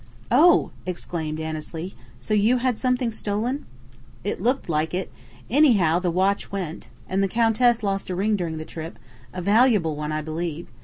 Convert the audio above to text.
"Oh!" exclaimed Annesley. "So you had something stolen?" "It looked like it. Anyhow, the watch went. And the Countess lost a ring during the trip a valuable one, I believe.